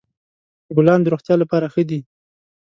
ګلان د روغتیا لپاره ښه دي.